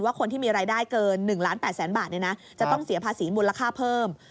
คนที่มีรายได้เกิน๑ล้าน๘แสนบาทจะต้องเสียภาษีมูลค่าเพิ่ม